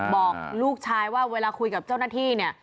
บอกลูกชายว่าเวลาคุยกับเจ้าหน้าที่เนี่ย